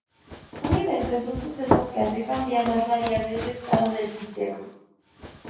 Un evento es un suceso que hace cambiar las variables de estado del sistema.